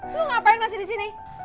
lo ngapain masih disini